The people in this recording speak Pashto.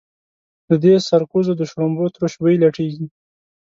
له دې سرکوزو د شړومبو تروش بوی لټېږي.